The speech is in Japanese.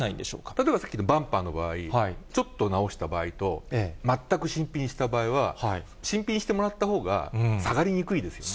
例えばさっきのバンパーの場合、ちょっと直した場合と、全く新品にした場合は、新品にしてもらったほうが下がりにくいですよね。